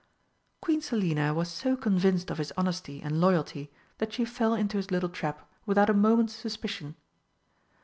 Queen Selina was so convinced of his honesty and loyalty that she fell into his little trap without a moment's suspicion.